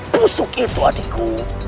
pusuk itu adikku